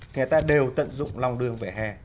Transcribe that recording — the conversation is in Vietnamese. người ta đều tận dụng lòng đường vẻ hè